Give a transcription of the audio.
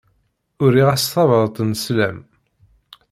Uriɣ-as tabrat n sslam.